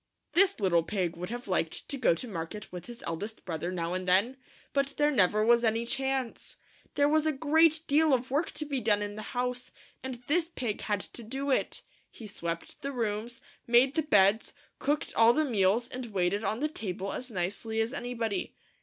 This little pig would have liked to go to market with his eldest brother now and then, but there never was any chance. There was a great deal of work to be done in the house, and this pig had to do it. He swept the rooms, made the beds, cooked all the meals, and waited on the table as nicely as anybody.